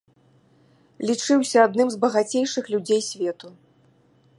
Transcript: Лічыўся адным з багацейшых людзей свету.